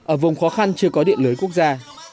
ở vùng khó khăn chưa có điện lưới quốc gia